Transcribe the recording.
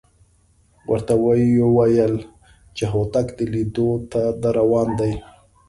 ورته وېویل چې هوتک د لیدو ته درروان دی.